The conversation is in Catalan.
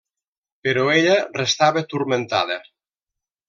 Però ella restava turmentada.